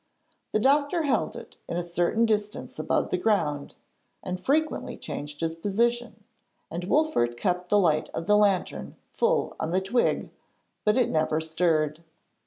The doctor held it at a certain distance above the ground, and frequently changed his position, and Wolfert kept the light of the lantern full on the twig, but it never stirred.